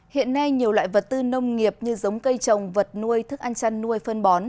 hiện nay nhiều loại vật tư nông nghiệp như giống cây trồng vật nuôi thức ăn chăn nuôi phân bón